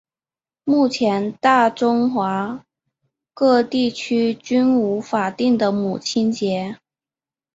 目前大中华各地区均无法定的母亲节。